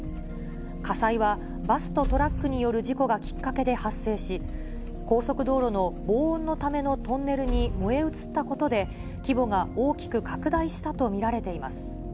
火災は、バスとトラックによる事故がきっかけで発生し、高速道路の防音のためのトンネルに燃え移ったことで、規模が大きく拡大したと見られています。